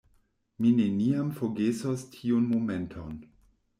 Mi neniam forgesos tiun momenton.